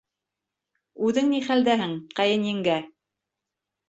Үҙең ни хәлдәһең, ҡәйенйеңгә?